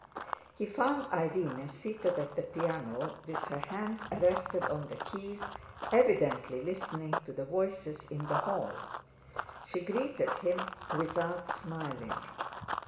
He found Irene seated at the piano with her hands arrested on the keys, evidently listening to the voices in the hall. She greeted him without smiling.